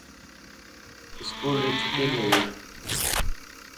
اسڪول ري ڇٽي ٿي گئي.